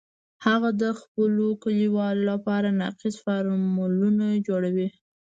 هغه د خپلو کلیوالو لپاره ناقص فارمولونه جوړوي